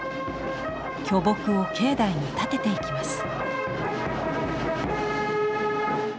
巨木を境内に立てていきます。